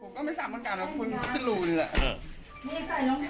ผมก็ไม่สามารถการรับคุณขึ้นรูเลยแหละอ่า